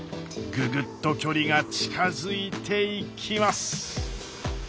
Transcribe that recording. ググッと距離が近づいていきます。